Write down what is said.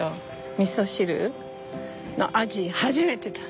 みそ汁の味初めて。